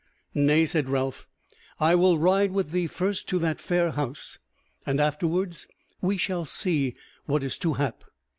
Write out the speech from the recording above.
"Nay," said Ralph, "I will ride with thee first to that fair house; and afterwards we shall see what is to hap."